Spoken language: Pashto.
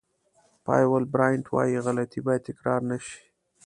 پایول براینټ وایي غلطۍ باید تکرار نه شي.